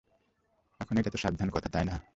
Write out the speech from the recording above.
এখন এটা তো সাবধান কথা, তাই না?